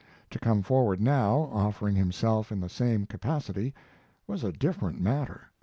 To come forward now, offering himself in the same capacity, was a different matter.